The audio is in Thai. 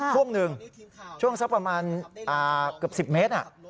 ช่วงหนึ่งช่วงสักประมาณเกือบ๑๐เมตร